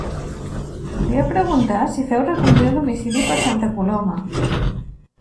Volia preguntar si feu recollida a domicili per Santa Coloma?